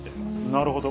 なるほど。